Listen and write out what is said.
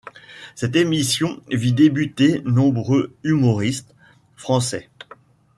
Cette émission vit débuter nombreux humoristes français.